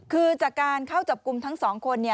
คือจากการเข้าจับกลุ่มทั้ง๒คน